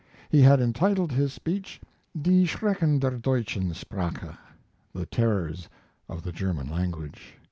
He had entitled his speech, "Die Schrecken der Deutschen Sprache" (the terrors of the German language).